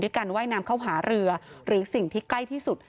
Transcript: การว่ายน้ำเข้าหาเรือหรือสิ่งที่ใกล้ที่สุด